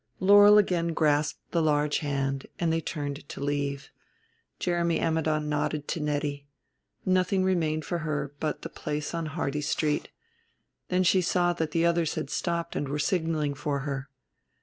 Laurel again grasped the large hand and they turned to leave. Jeremy Ammidon nodded to Nettie. Nothing remained for her but the place on Hardy Street; then she saw that the others had stopped and were signaling for her.